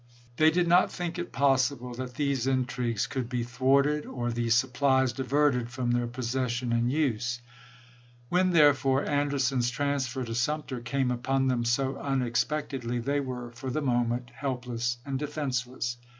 They did not think it possi ble that these intrigues could be thwarted, or these supplies diverted from their possession and use. When, therefore, Anderson's transfer to Sumter came upon them so unexpectedly, they were for the moment helpless and defenseless.